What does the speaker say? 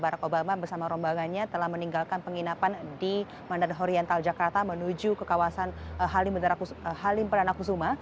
barack obama bersama rombangannya telah meninggalkan penginapan di bandara horiental jakarta menuju ke kawasan halim perdana kusuma